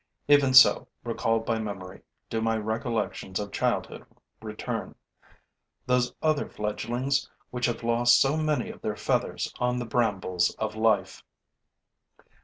Even so, recalled by memory, do my recollections of childhood return, those other fledglings which have lost so many of their feathers on the brambles of life.